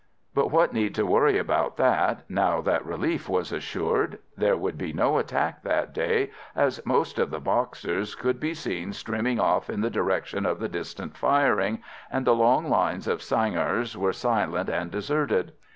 But what need to worry about that now that relief was assured? There would be no attack that day, as most of the Boxers could be seen streaming off in the direction of the distant firing, and the long lines of sangars were silent and deserted.